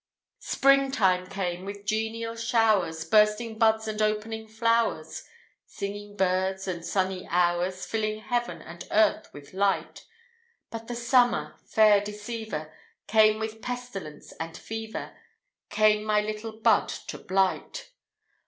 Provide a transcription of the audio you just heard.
Spring time came with genial showers, Bursting buds and opening flowers, Singing birds and sunny hours, Filling heaven and earth with light. But the Summer fair deceiver! Came with pestilence and fever, Came my little bud to blight.